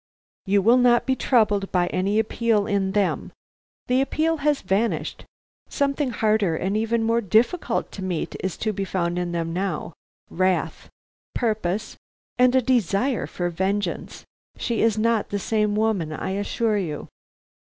"You will not be troubled by any appeal in them. The appeal has vanished; something harder and even more difficult to meet is to be found in them now: wrath, purpose, and a desire for vengeance. She is not the same woman, I assure you."